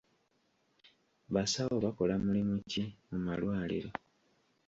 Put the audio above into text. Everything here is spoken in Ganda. Basawo bakola mulimu ki mu malwaliro?